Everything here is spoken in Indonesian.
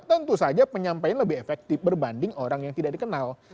tentu saja penyampaian lebih efektif berbanding orang yang tidak dikenal